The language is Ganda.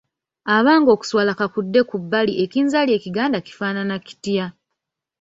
Abange okuswala kakudde ku bbali ekinzaali ekiganda kifaanana kitya?